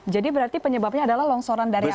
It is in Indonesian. jadi berarti penyebabnya adalah longsoran dari atas